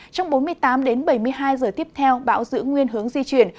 trong bốn mươi tám đến bảy mươi hai giờ tiếp theo bão giữ nguyên hướng di chuyển